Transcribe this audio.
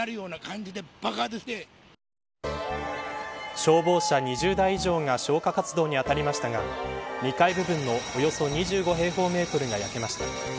消防車２０台以上が消火活動に当たりましたが２階部分のおよそ２５平方メートルが焼けました。